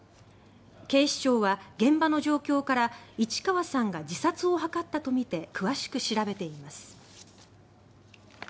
警視庁は現場の状況から市川さんが自殺を図ったとみて詳しく調べています。